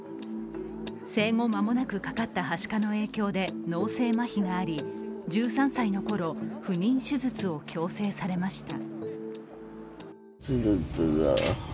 生後間もなくかかったはしかの影響で脳性まひがあり１３歳の頃、不妊手術を強制されました。